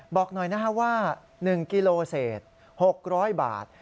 บอกหน่อยนะฮะว่า๑กิโลเศษ๖๐๐บาท